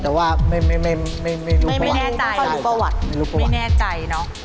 แต่ว่าไม่รู้ประวัติ